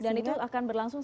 dan itu akan berlangsung